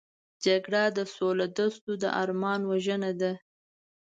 جګړه د سولهدوستو د ارمان وژنه ده